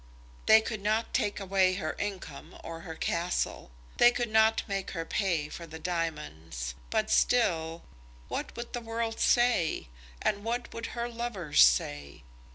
They could not take away her income or her castle. They could not make her pay for the diamonds. But still, what would the world say? And what would her lovers say?